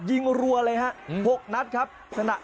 ยิงรัวเลยครับ๖ฤนาท